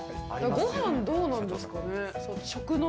ごはん、どうなんですかね。